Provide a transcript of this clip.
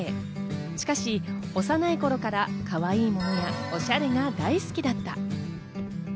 しかし幼い頃からかわいいものやおしゃれが大好きだった。